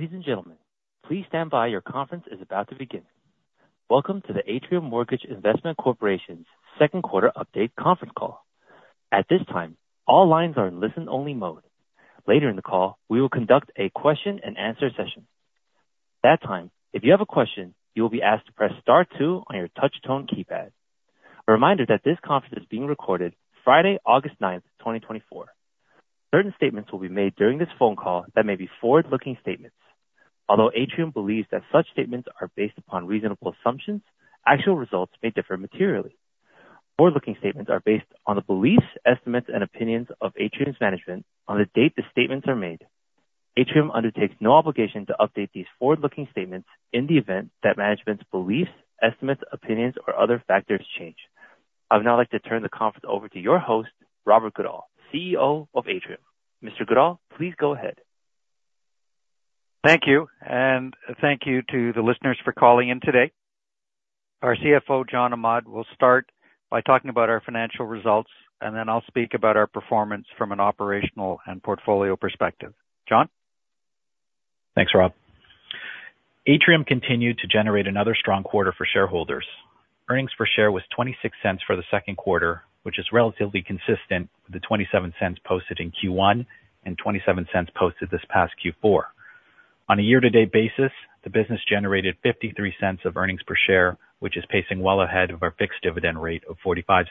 Ladies and gentlemen, please stand by. Your conference is about to begin. Welcome to the Atrium Mortgage Investment Corporation's second quarter update conference call. At this time, all lines are in listen-only mode. Later in the call, we will conduct a question-and-answer session. At that time, if you have a question, you will be asked to press star two on your touch-tone keypad. A reminder that this conference is being recorded Friday, August 9th, 2024. Certain statements will be made during this phone call that may be forward-looking statements. Although Atrium believes that such statements are based upon reasonable assumptions, actual results may differ materially. Forward-looking statements are based on the beliefs, estimates, and opinions of Atrium's management on the date the statements are made. Atrium undertakes no obligation to update these forward-looking statements in the event that management's beliefs, estimates, opinions, or other factors change. I would now like to turn the conference over to your host, Robert Goodall, CEO of Atrium. Mr. Goodall, please go ahead. Thank you, and thank you to the listeners for calling in today. Our CFO, John Ahmad, will start by talking about our financial results, and then I'll speak about our performance from an operational and portfolio perspective. John? Thanks, Rob. Atrium continued to generate another strong quarter for shareholders. Earnings per share was 0.26 for the second quarter, which is relatively consistent with the 0.27 posted in Q1 and 0.27 posted this past Q4. On a year-to-date basis, the business generated 0.53 of earnings per share, which is pacing well ahead of our fixed dividend rate of 0.45.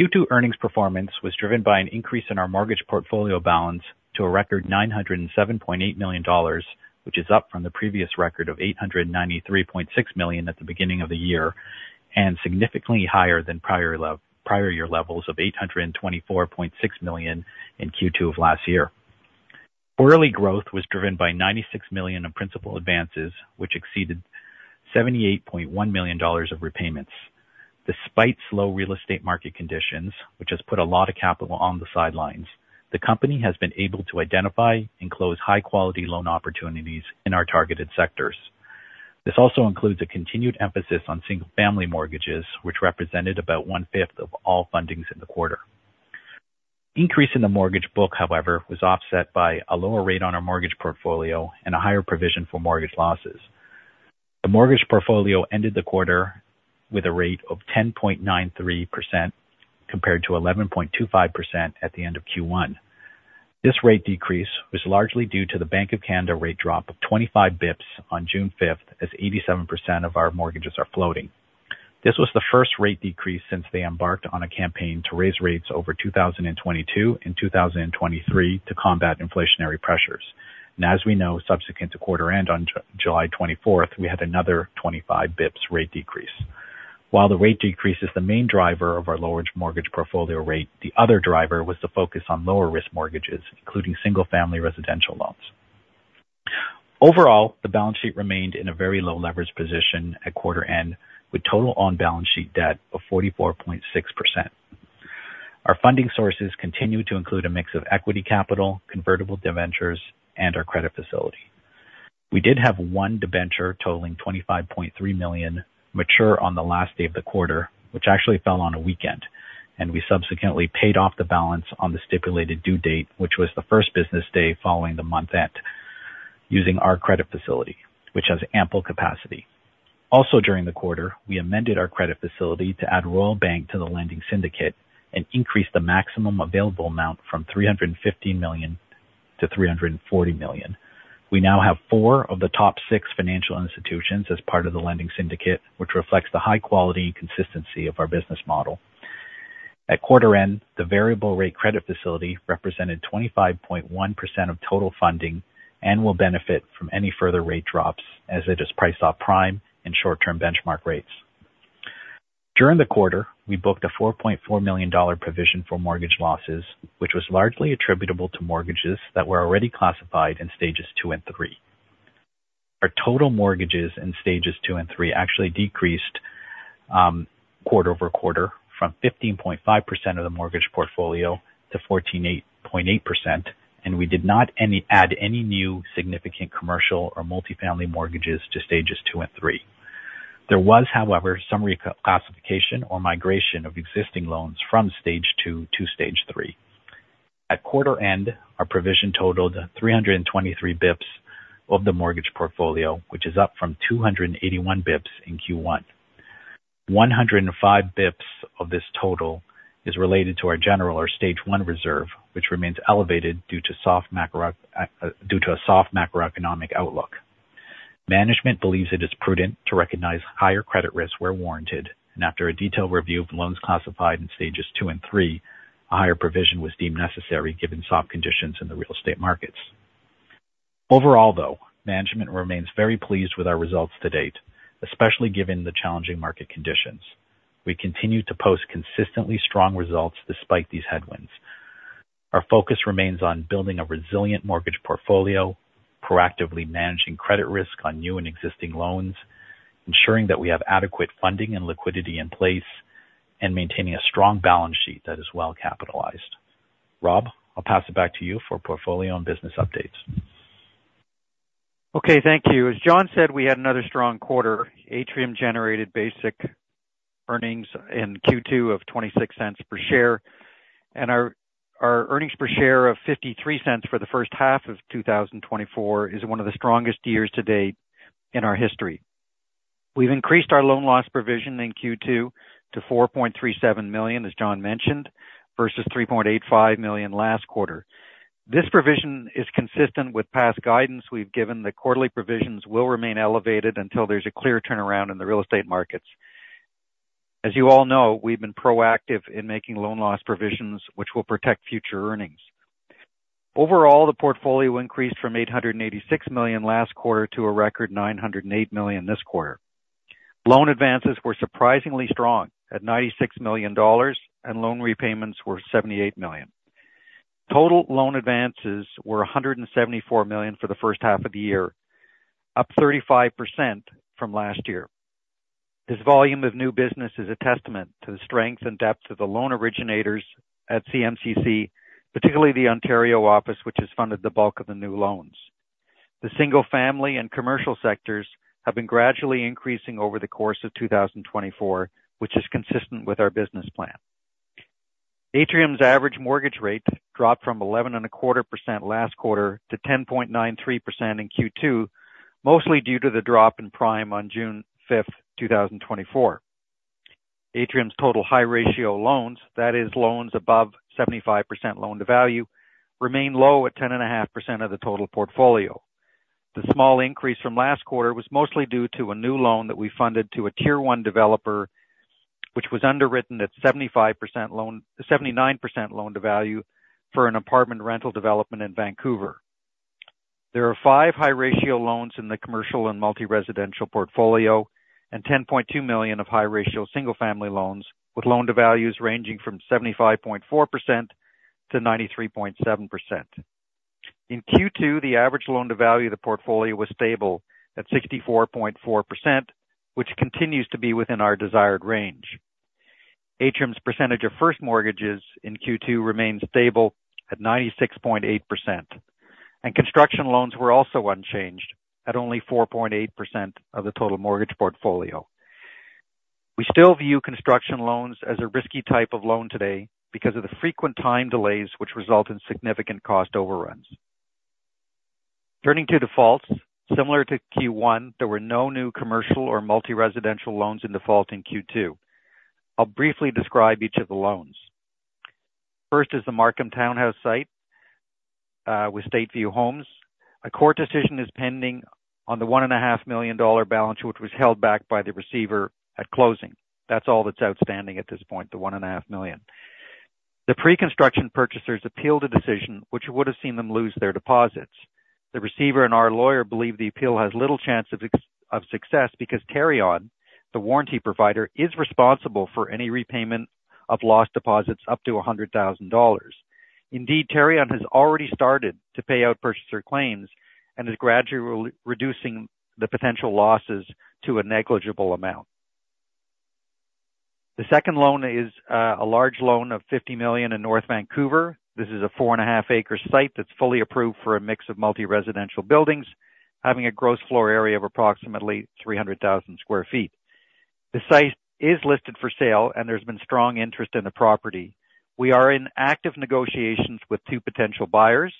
Q2 earnings performance was driven by an increase in our mortgage portfolio balance to a record 907.8 million dollars, which is up from the previous record of 893.6 million at the beginning of the year, and significantly higher than prior year levels of 824.6 million in Q2 of last year. Quarterly growth was driven by 96 million in principal advances, which exceeded 78.1 million dollars of repayments. Despite slow real estate market conditions, which has put a lot of capital on the sidelines, the company has been able to identify and close high-quality loan opportunities in our targeted sectors. This also includes a continued emphasis on single-family mortgages, which represented about 1/5 of all fundings in the quarter. Increase in the mortgage book, however, was offset by a lower rate on our mortgage portfolio and a higher provision for mortgage losses. The mortgage portfolio ended the quarter with a rate of 10.93%, compared to 11.25% at the end of Q1. This rate decrease was largely due to the Bank of Canada rate drop of 25 bips on June 5th, as 87% of our mortgages are floating. This was the first rate decrease since they embarked on a campaign to raise rates over 2022 and 2023 to combat inflationary pressures. And as we know, subsequent to quarter end on July 24th, we had another 25 bips rate decrease. While the rate decrease is the main driver of our lower mortgage portfolio rate, the other driver was the focus on lower-risk mortgages, including single-family residential loans. Overall, the balance sheet remained in a very low leverage position at quarter end, with total on-balance sheet debt of 44.6%. Our funding sources continue to include a mix of equity capital, convertible debentures, and our credit facility. We did have one debenture totaling 25.3 million mature on the last day of the quarter, which actually fell on a weekend, and we subsequently paid off the balance on the stipulated due date, which was the first business day following the month end, using our credit facility, which has ample capacity. Also, during the quarter, we amended our credit facility to add Royal Bank to the lending syndicate and increase the maximum available amount from 350 million to 340 million. We now have four of the top six financial institutions as part of the lending syndicate, which reflects the high quality and consistency of our business model. At quarter end, the variable rate credit facility represented 25.1% of total funding and will benefit from any further rate drops as it is priced off prime and short-term benchmark rates. During the quarter, we booked a 4.4 million dollar provision for mortgage losses, which was largely attributable to mortgages that were already classified in Stages 2 and 3. Our total mortgages in Stages 2 and 3 actually decreased quarter-over-quarter from 15.5% of the mortgage portfolio to 14.8%, and we did not add any new significant commercial or multifamily mortgages to Stages 2 and 3. There was, however, some classification or migration of existing loans from Stage 2 -Stage 3. At quarter end, our provision totaled 323 bips of the mortgage portfolio, which is up from 281 bips in Q1. 105 bips of this total is related to our general or Stage 1 reserve, which remains elevated due to soft macroeconomic outlook. Management believes it is prudent to recognize higher credit risks where warranted, and after a detailed review of loans classified in Stages 2 and 3, a higher provision was deemed necessary given soft conditions in the real estate markets. Overall, though, management remains very pleased with our results to date, especially given the challenging market conditions. We continue to post consistently strong results despite these headwinds. Our focus remains on building a resilient mortgage portfolio, proactively managing credit risk on new and existing loans, ensuring that we have adequate funding and liquidity in place, and maintaining a strong balance sheet that is well capitalized. Rob, I'll pass it back to you for portfolio and business updates. Okay, thank you. As John said, we had another strong quarter. Atrium generated basic earnings in Q2 of 0.26 per share, and our, our earnings per share of 0.53 for the first half of 2024 is one of the strongest years to date in our history. We've increased our loan loss provision in Q2 to 4.37 million, as John mentioned, versus 3.85 million last quarter. This provision is consistent with past guidance we've given. The quarterly provisions will remain elevated until there's a clear turnaround in the real estate markets. As you all know, we've been proactive in making loan loss provisions, which will protect future earnings. Overall, the portfolio increased from 886 million last quarter to a record 908 million this quarter. Loan advances were surprisingly strong at 96 million dollars, and loan repayments were 78 million. Total loan advances were 174 million for the first half of the year, up 35% from last year. This volume of new business is a testament to the strength and depth of the loan originators at CMCC, particularly the Ontario office, which has funded the bulk of the new loans. The single-family and commercial sectors have been gradually increasing over the course of 2024, which is consistent with our business plan. Atrium's average mortgage rate dropped from 11.25% last quarter to 10.93% in Q2, mostly due to the drop in prime on June 5th, 2024. Atrium's total high-ratio loans, that is, loans above 75% loan-to-value, remain low at 10.5% of the total portfolio. The small increase from last quarter was mostly due to a new loan that we funded to a rier one developer, which was underwritten at 75%, 79% loan-to-value for an apartment rental development in Vancouver. There are five high-ratio loans in the commercial and multi-residential portfolio and 10.2 million of high-ratio single-family loans, with loan-to-values ranging from 75.4%-93.7%. In Q2, the average loan-to-value of the portfolio was stable at 64.4%, which continues to be within our desired range. Atrium's percentage of first mortgages in Q2 remained stable at 96.8%, and construction loans were also unchanged at only 4.8% of the total mortgage portfolio. We still view construction loans as a risky type of loan today because of the frequent time delays which result in significant cost overruns. Turning to defaults. Similar to Q1, there were no new commercial or multi-residential loans in default in Q2. I'll briefly describe each of the loans. First is the Markham townhouse site with StateView Homes. A court decision is pending on the 1.5 million dollar balance, which was held back by the receiver at closing. That's all that's outstanding at this point, the 1.5 million. The pre-construction purchasers appealed a decision which would have seen them lose their deposits. The receiver and our lawyer believe the appeal has little chance of success because Tarion, the warranty provider, is responsible for any repayment of lost deposits up to 100,000 dollars. Indeed, Tarion has already started to pay out purchaser claims and is gradually reducing the potential losses to a negligible amount. The second loan is a large loan of 50 million in North Vancouver. This is a 4.5-acre site that's fully approved for a mix of multi-residential buildings, having a gross floor area of approximately 300,000 sq ft. The site is listed for sale, and there's been strong interest in the property. We are in active negotiations with two potential buyers,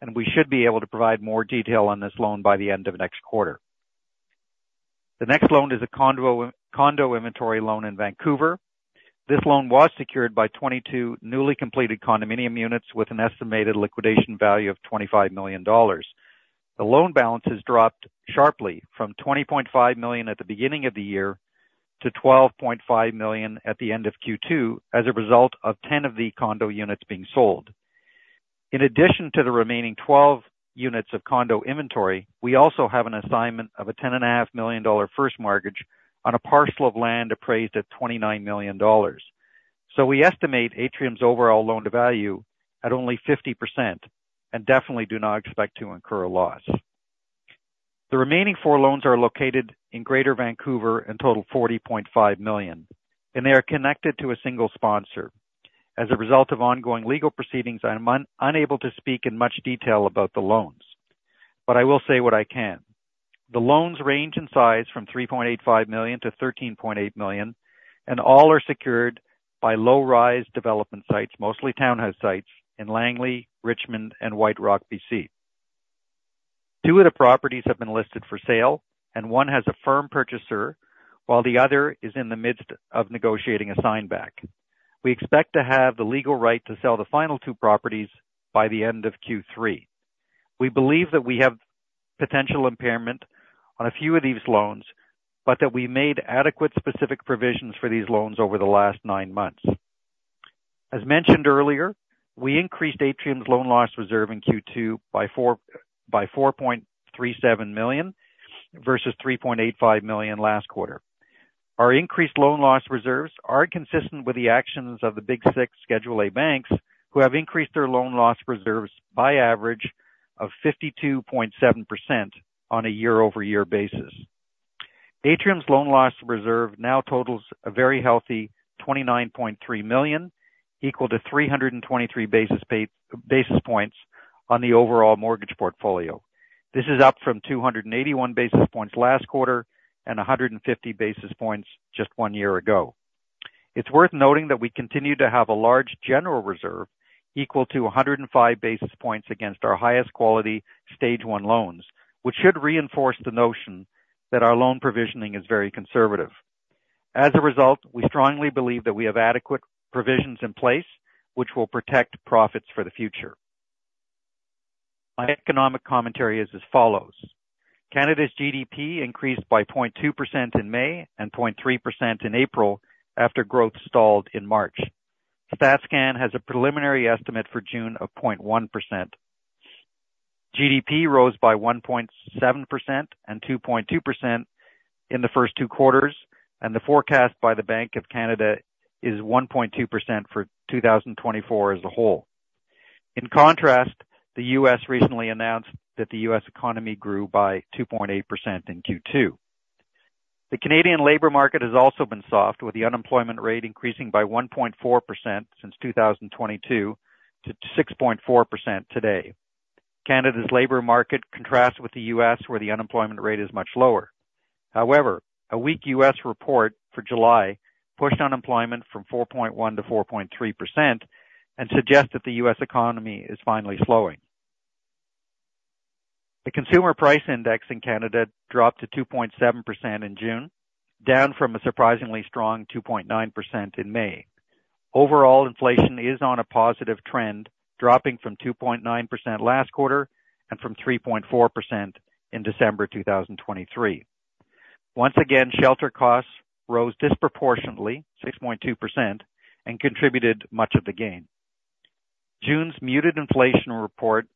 and we should be able to provide more detail on this loan by the end of next quarter. The next loan is a condo inventory loan in Vancouver. This loan was secured by 22 newly completed condominium units with an estimated liquidation value of 25 million dollars. The loan balance has dropped sharply from 20.5 million at the beginning of the year to 12.5 million at the end of Q2 as a result of 10 of the condo units being sold. In addition to the remaining 12 units of condo inventory, we also have an assignment of a 10.5 million dollar first mortgage on a parcel of land appraised at 29 million dollars. So we estimate Atrium's overall loan-to-value at only 50% and definitely do not expect to incur a loss. The remaining four loans are located in Greater Vancouver and total 40.5 million, and they are connected to a single sponsor. As a result of ongoing legal proceedings, I am unable to speak in much detail about the loans, but I will say what I can. The loans range in size from 3.85 million to 13.8 million, and all are secured by low-rise development sites, mostly townhouse sites in Langley, Richmond, and White Rock, BC. Two of the properties have been listed for sale, and one has a firm purchaser, while the other is in the midst of negotiating a sign back. We expect to have the legal right to sell the final two properties by the end of Q3. We believe that we have potential impairment on a few of these loans, but that we made adequate specific provisions for these loans over the last nine months. As mentioned earlier, we increased Atrium's loan loss reserve in Q2 by 4.37 million versus 3.85 million last quarter. Our increased loan loss reserves are consistent with the actions of the Big Six Schedule A banks, who have increased their loan loss reserves by an average of 52.7% on a year-over-year basis. Atrium's loan loss reserve now totals a very healthy 29.3 million, equal to 323 basis points on the overall mortgage portfolio. This is up from 281 basis points last quarter and 150 basis points just one year ago. It's worth noting that we continue to have a large general reserve equal to 105 basis points against our highest quality Stage 1 loans, which should reinforce the notion that our loan provisioning is very conservative. As a result, we strongly believe that we have adequate provisions in place which will protect profits for the future. My economic commentary is as follows: Canada's GDP increased by 0.2% in May and 0.3% in April, after growth stalled in March. StatCan has a preliminary estimate for June of 0.1%. GDP rose by 1.7% and 2.2% in the first two quarters, and the forecast by the Bank of Canada is 1.2% for 2024 as a whole. In contrast, the U.S. recently announced that the U.S. economy grew by 2.8% in Q2. The Canadian labor market has also been soft, with the unemployment rate increasing by 1.4% since 2022 to 6.4% today. Canada's labor market contrasts with the U.S., where the unemployment rate is much lower. However, a weak U.S. report for July pushed unemployment from 4.1% to 4.3% and suggests that the U.S. economy is finally slowing. The Consumer Price Index in Canada dropped to 2.7% in June, down from a surprisingly strong 2.9% in May. Overall, inflation is on a positive trend, dropping from 2.9% last quarter and from 3.4% in December 2023. Once again, shelter costs rose disproportionately, 6.2%, and contributed much of the gain. June's muted inflation report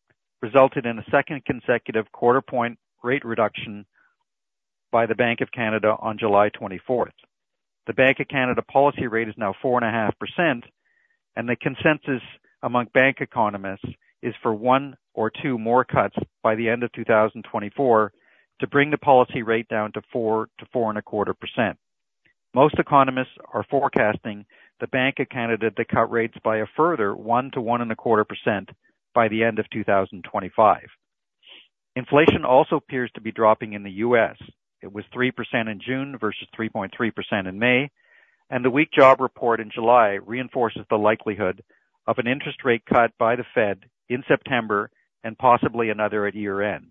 resulted in a second consecutive 0.25-point rate reduction by the Bank of Canada on July 24th. The Bank of Canada policy rate is now 4.5%, and the consensus among bank economists is for one or two more cuts by the end of 2024 to bring the policy rate down to 4%-4.25%. Most economists are forecasting the Bank of Canada to cut rates by a further 1%-1.25% by the end of 2025. Inflation also appears to be dropping in the U.S. It was 3% in June versus 3.3% in May, and the weak job report in July reinforces the likelihood of an interest rate cut by the Fed in September and possibly another at year-end.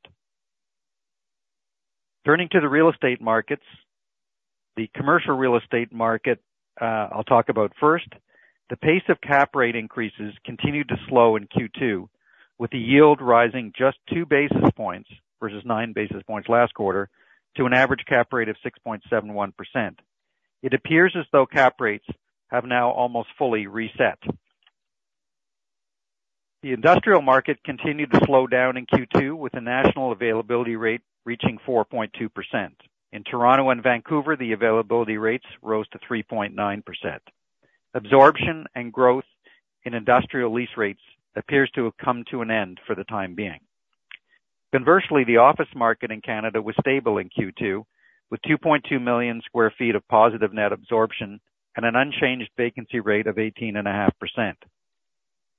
Turning to the real estate markets, the commercial real estate market, I'll talk about first. The pace of cap rate increases continued to slow in Q2, with the yield rising just 2 basis points versus 9 basis points last quarter, to an average cap rate of 6.71%. It appears as though cap rates have now almost fully reset. The industrial market continued to slow down in Q2, with the national availability rate reaching 4.2%. In Toronto and Vancouver, the availability rates rose to 3.9%. Absorption and growth in industrial lease rates appears to have come to an end for the time being. Conversely, the office market in Canada was stable in Q2, with 2.2 million sq ft of positive net absorption and an unchanged vacancy rate of 18.5%.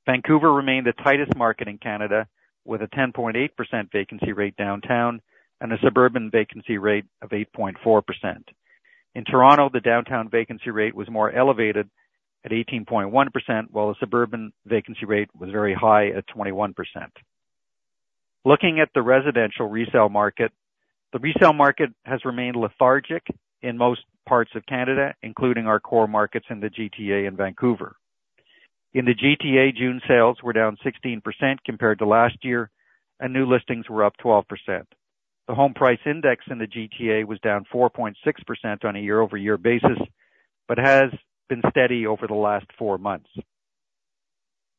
Vancouver remained the tightest market in Canada, with a 10.8% vacancy rate downtown and a suburban vacancy rate of 8.4%. In Toronto, the downtown vacancy rate was more elevated at 18.1%, while the suburban vacancy rate was very high at 21%. Looking at the residential resale market, the resale market has remained lethargic in most parts of Canada, including our core markets in the GTA and Vancouver. In the GTA, June sales were down 16% compared to last year, and new listings were up 12%. The home price index in the GTA was down 4.6% on a year-over-year basis, but has been steady over the last four months,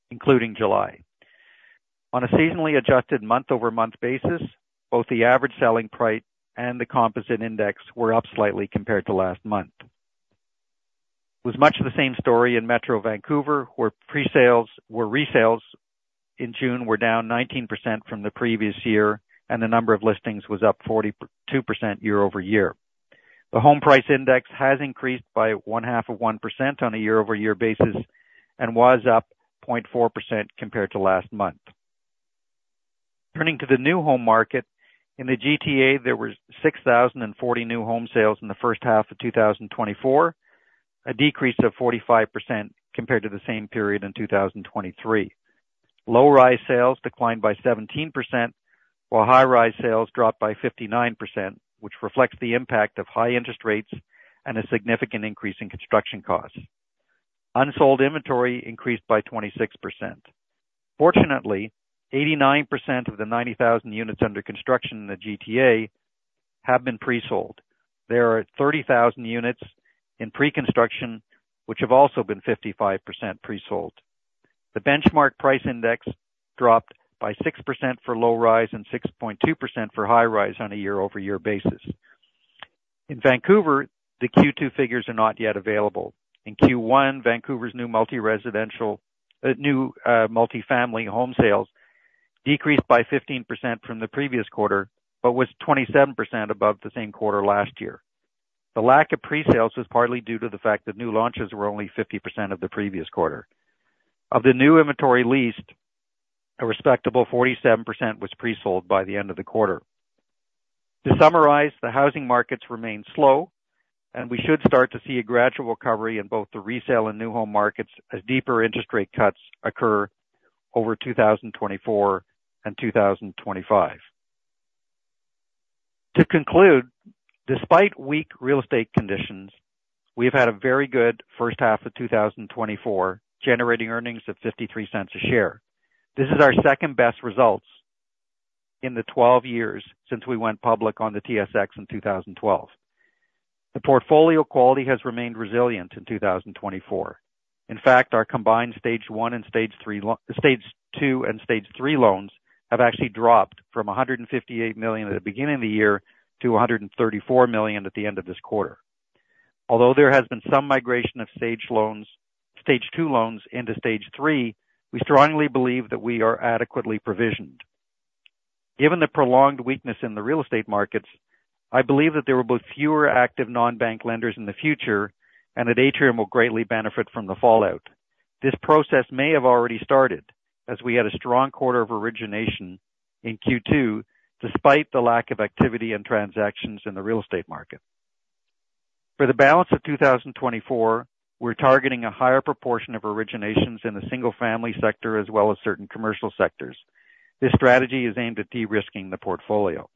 including July. On a seasonally adjusted month-over-month basis, both the average selling price and the composite index were up slightly compared to last month. It was much of the same story in Metro Vancouver, where resales in June were down 19% from the previous year and the number of listings was up 42% year-over-year. The home price index has increased by 0.5% on a year-over-year basis and was up 0.4% compared to last month. Turning to the new home market, in the GTA, there was 6,040 new home sales in the first half of 2024, a decrease of 45% compared to the same period in 2023. Low-rise sales declined by 17%, while high-rise sales dropped by 59%, which reflects the impact of high interest rates and a significant increase in construction costs. Unsold inventory increased by 26%. Fortunately, 89% of the 90,000 units under construction in the GTA have been pre-sold. There are 30,000 units in pre-construction, which have also been 55% pre-sold. The benchmark price index dropped by 6% for low-rise and 6.2% for high-rise on a year-over-year basis. In Vancouver, the Q2 figures are not yet available. In Q1, Vancouver's new multi-residential multifamily home sales decreased by 15% from the previous quarter, but was 27% above the same quarter last year. The lack of pre-sales was partly due to the fact that new launches were only 50% of the previous quarter. Of the new inventory leased, a respectable 47% was pre-sold by the end of the quarter. To summarize, the housing markets remain slow, and we should start to see a gradual recovery in both the resale and new home markets as deeper interest rate cuts occur over 2024 and 2025. To conclude, despite weak real estate conditions, we've had a very good first half of 2024, generating earnings of 0.53 a share. This is our second-best results in the 12 years since we went public on the TSX in 2012. The portfolio quality has remained resilient in 2024. In fact, our combined Stage 1 and Stage 3—Stage 2 and Stage 3 loans have actually dropped from 158 million at the beginning of the year to 134 million at the end of this quarter. Although there has been some migration of stage loans, Stage 2 loans into stage 3, we strongly believe that we are adequately provisioned. Given the prolonged weakness in the real estate markets, I believe that there will be fewer active non-bank lenders in the future and that Atrium will greatly benefit from the fallout. This process may have already started, as we had a strong quarter of origination in Q2, despite the lack of activity and transactions in the real estate market. For the balance of 2024, we're targeting a higher proportion of originations in the single-family sector as well as certain commercial sectors. This strategy is aimed at de-risking the portfolio.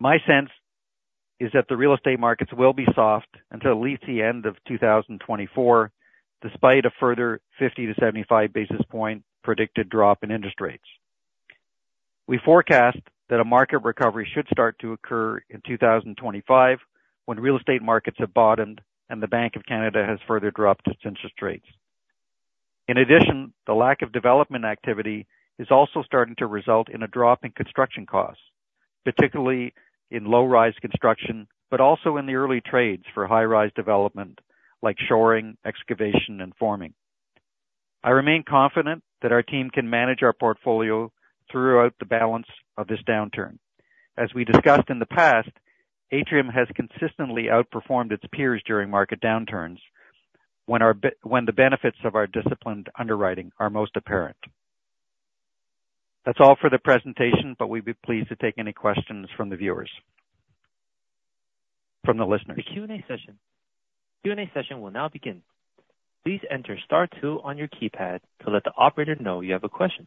My sense is that the real estate markets will be soft until at least the end of 2024, despite a further 50-75 basis point predicted drop in interest rates. We forecast that a market recovery should start to occur in 2025, when real estate markets have bottomed and the Bank of Canada has further dropped its interest rates. In addition, the lack of development activity is also starting to result in a drop in construction costs, particularly in low-rise construction, but also in the early trades for high-rise development, like shoring, excavation, and forming. I remain confident that our team can manage our portfolio throughout the balance of this downturn. As we discussed in the past, Atrium has consistently outperformed its peers during market downturns, when the benefits of our disciplined underwriting are most apparent. That's all for the presentation, but we'd be pleased to take any questions from the viewers. From the listeners. The Q&A session. Q&A session will now begin. Please enter star two on your keypad to let the operator know you have a question.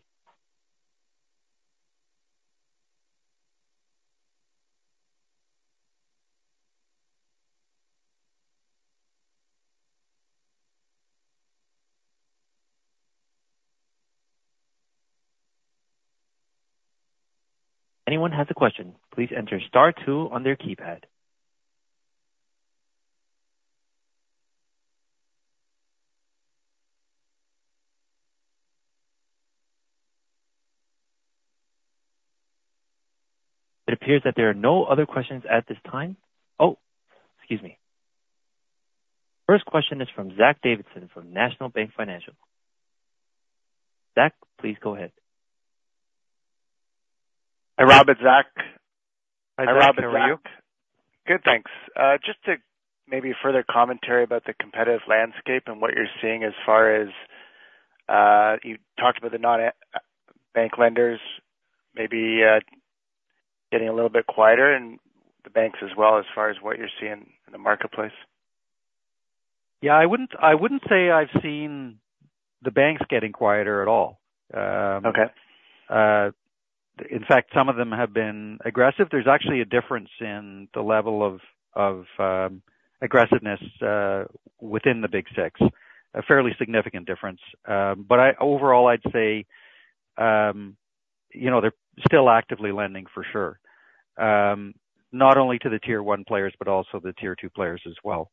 Anyone has a question, please enter star two on their keypad. It appears that there are no other questions at this time. Oh! Excuse me. First question is from Zach Davidson, from National Bank Financial. Zach, please go ahead. Hi, Robert. Zach. Hi, Robert, how are you? Good, thanks. Just to maybe further commentary about the competitive landscape and what you're seeing as far as, you talked about the non-bank lenders maybe getting a little bit quieter and the banks as well, as far as what you're seeing in the marketplace. Yeah, I wouldn't say I've seen the banks getting quieter at all. Okay. In fact, some of them have been aggressive. There's actually a difference in the level of aggressiveness within the Big Six. A fairly significant difference. Overall, I'd say, you know, they're still actively lending for sure. Not only to the tier one players, but also the tier two players as well,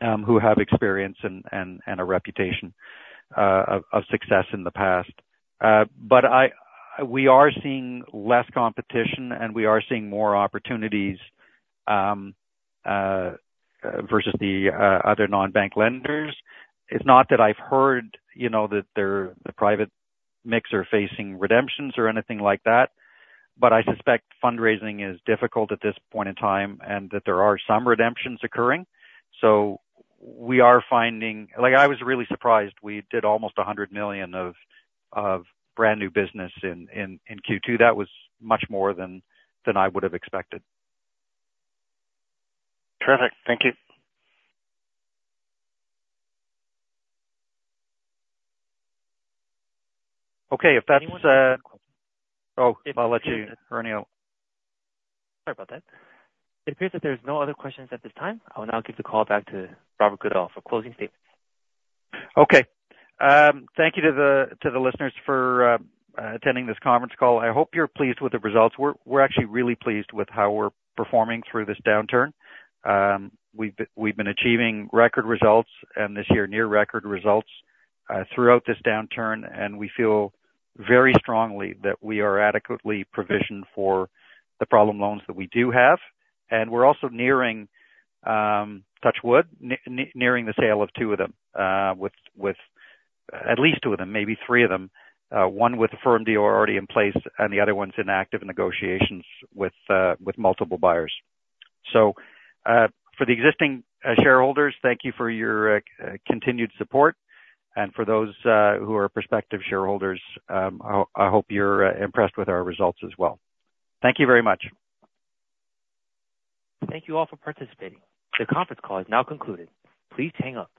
who have experience and a reputation of success in the past. We are seeing less competition, and we are seeing more opportunities versus the other non-bank lenders. It's not that I've heard, you know, that they're, the private MICs are facing redemptions or anything like that, but I suspect fundraising is difficult at this point in time, and that there are some redemptions occurring. So we are finding... Like, I was really surprised, we did almost 100 million of brand-new business in Q2. That was much more than I would have expected. Terrific. Thank you. Okay. If that's... Anyone- Oh, I'll let you, Ernie, out. Sorry about that. It appears that there's no other questions at this time. I will now give the call back to Robert Goodall for closing statements. Okay. Thank you to the, to the listeners for attending this conference call. I hope you're pleased with the results. We're actually really pleased with how we're performing through this downturn. We've been achieving record results, and this year, near record results, throughout this downturn, and we feel very strongly that we are adequately provisioned for the problem loans that we do have. We're also nearing, touch wood, nearing the sale of two of them, with at least two of them, maybe three of them. One with a firm deal already in place, and the other one's in active negotiations with multiple buyers. For the existing shareholders, thank you for your continued support, and for those who are prospective shareholders, I hope you're impressed with our results as well. Thank you very much. Thank you all for participating. The conference call is now concluded. Please hang up.